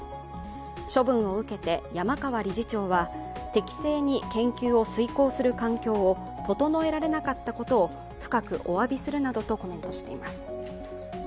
処分を受けて山川理事長は適正に研究を遂行する環境を整えられなかったことを深くお詫びするなどとコメントしています。